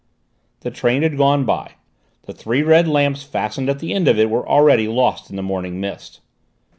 The train had gone by: the three red lamps fastened at the end of it were already lost in the morning mist.